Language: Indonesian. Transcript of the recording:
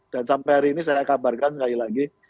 dan sampai hari ini saya kabarkan sekali lagi